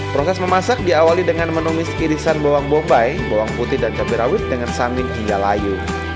proses memasak diawali dengan menumis irisan bawang bombay bawang putih dan cabai rawit dengan samin hingga layu